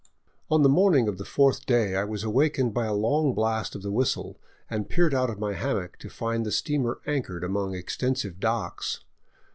On the morning of the fourth day I was awakened by a long blast of the whistle, and peered out of my hammock to find the steamer anchored among extensive docks.